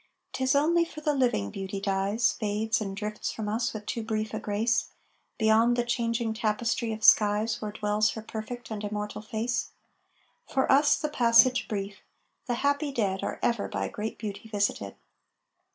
'Tis only for the living Beauty dies, Fades and drifts from us with too brief a grace, Beyond the changing tapestry of skies Where dwells her perfect and immortal face. For us the passage brief; the happy dead Are ever by great beauty visited.